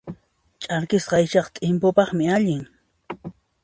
Ch'arkisqa aychaqa t'impupaqmi allin.